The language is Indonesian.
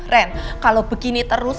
ren kalau begini terus